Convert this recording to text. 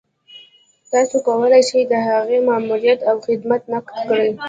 تاسو کولای شئ د هغې ماموريت او خدمات نقد کړئ.